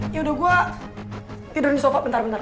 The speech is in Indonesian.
yaudah gue tidur di sofa bentar bentar